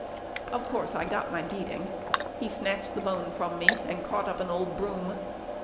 Of course I got my beating. He snatched the bone from me, and caught up an old broom.